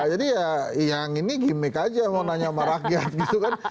jadi ya yang ini gimmick aja mau nanya sama rakyat gitu kan